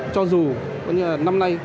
cho dù năm nay